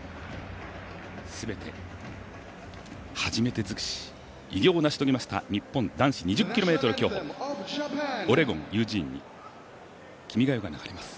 すべて初めてづくし、偉業を成し遂げました日本男子２０ｋｍ競歩オレゴン・ユージーンに「君が代」が流れます。